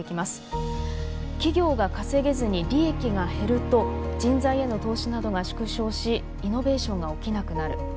企業が稼げずに利益が減ると人材への投資などが縮小しイノベーションが起きなくなる。